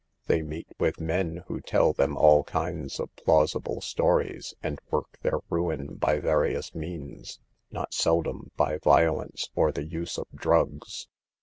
They meet with men who tell them all kinds of plausible stories, and work their ruin by various means, not seldom by violence or the use of drugs.